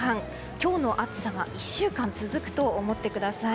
今日の暑さが１週間続くと思ってください。